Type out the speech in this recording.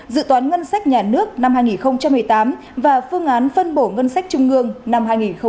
dự toán ngân sách nhà nước năm hai nghìn một mươi tám và phương án phân bổ ngân sách trung ương năm hai nghìn một mươi chín